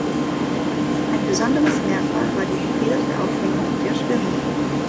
Ein besonderes Merkmal war die gefederte Aufhängung der Schwimmer.